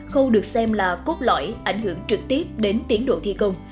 khâu được xem là cốt lõi ảnh hưởng trực tiếp đến tiến độ thi công